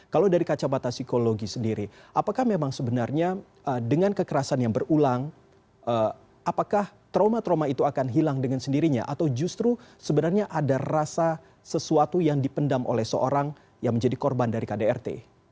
kalau dari kacamata psikologi sendiri apakah memang sebenarnya dengan kekerasan yang berulang apakah trauma trauma itu akan hilang dengan sendirinya atau justru sebenarnya ada rasa sesuatu yang dipendam oleh seorang yang menjadi korban dari kdrt